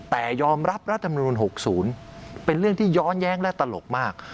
แต่ยอมรับรัฐมนุน๖๐เป็นเรื่องที่ย้อนแย้งและตลกมาก